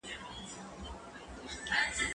که وخت وي، واښه راوړم؟!